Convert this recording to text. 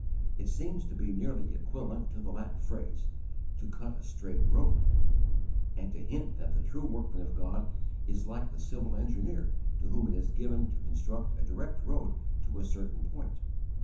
It seems to be nearly equivalent to the Latin phrase recte viam secare to cut a straight road and to hint that the true workman of God is like the civil engineer to whom it is given to construct a direct road to a certain point.